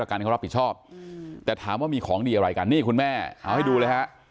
กันเขารับผิดชอบแต่ถามว่ามีของดีอะไรกันนี่คุณแม่เอาให้ดูเลยฮะ